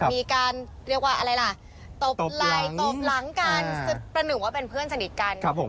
มีการเรียกว่าอะไรล่ะตบไหล่ตบหลังกันประหนึ่งว่าเป็นเพื่อนสนิทกัน